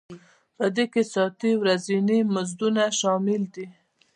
په دې کې ساعتي او ورځني مزدونه شامل دي